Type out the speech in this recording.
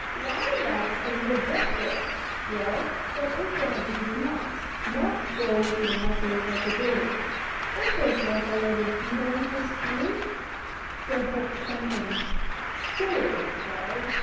Why, that's a real bright girl. Well, from each one of these knots nerves go to the muscles of the body." "It's just like a lot of beads on a string," said Hope Stanton. "So it is, child.